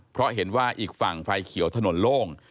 เพราะเห็นว่าอีกฝั่งไฟเขียวถนนโล่ง